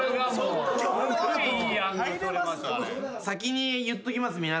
先に言っときます